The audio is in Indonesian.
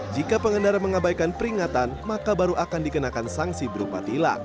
jika pengendara mengabaikan peringatan maka baru akan dikenakan sanksi berupa tilang